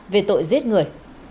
về tội giết người